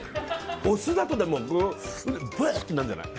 お酢だとぶえーってなるんじゃない？